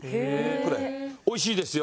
これ美味しいですよ。